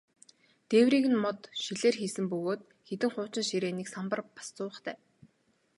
Дээврийг нь мод, шилээр хийсэн бөгөөд хэдэн хуучин ширээ, нэг самбар, бас зуухтай.